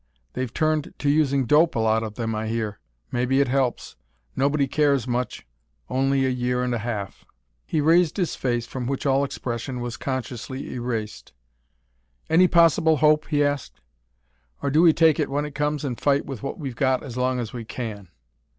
They've turned to using dope, a lot of them, I hear. Maybe it helps; nobody cares much. Only a year and a half." He raised his face from which all expression was consciously erased. "Any possible hope?" he asked. "Or do we take it when it comes and fight with what we've got as long as we can?